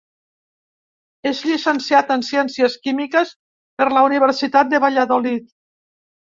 És llicenciat en Ciències Químiques per la Universitat de Valladolid.